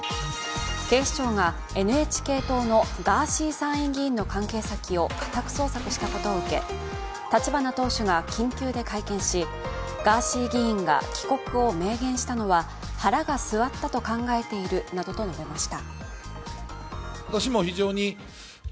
警視庁がＮＨＫ党のガーシー参院議員の関係先を家宅捜索したことを受け、立花党首が緊急で会見しガーシー議員が帰国を明言したのは腹が据わったと考えているなどと述べました。